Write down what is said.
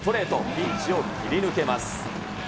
ピンチを切り抜けます。